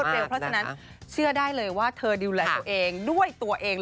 เพราะฉะนั้นเชื่อได้เลยว่าเธอดูแลตัวเองด้วยตัวเอง